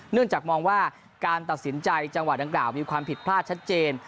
เนื่องจากมองว่าการตัดสินใจจังหวะดังกล่าวมีความผิดพลาดชัดเจน